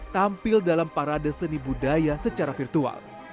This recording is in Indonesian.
tampil dalam parade seni budaya secara virtual